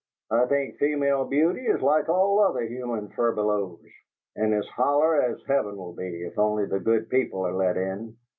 "I think female beauty is like all other human furbelows, and as holler as heaven will be if only the good people are let in!